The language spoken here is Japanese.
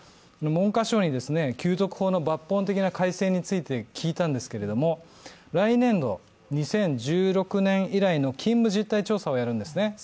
文科省に給特法の抜本的な改正について聞いたんですけれども、来年度、２０１６年以来の勤務実態調査をやるんですね。